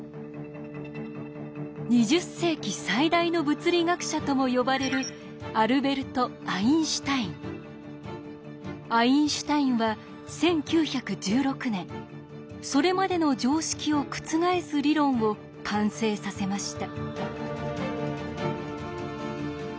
「２０世紀最大の物理学者」とも呼ばれるアインシュタインは１９１６年それまでの常識を覆す理論を完成させました。